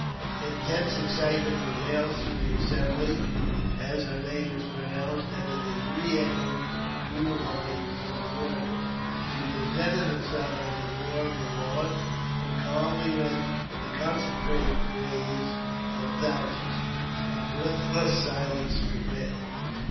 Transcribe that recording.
Intense excitement prevails through the I assembly as her name is pronounced, and it is re echoed ' through the lines of the warriors. She presented herself at the door of the lodge, and calmly met the concentrated gaze of thousands. A breathless silence prevailed.